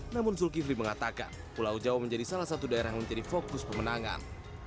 namun zulkifli mengatakan pulau jawa menjadi salah satu daerah yang menjadi fokus pemenangan